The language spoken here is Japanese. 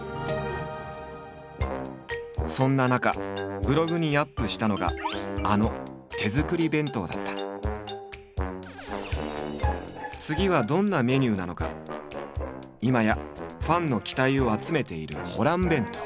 そんな中ブログにアップしたのがあの次はどんなメニューなのか今やファンの期待を集めているホラン弁当。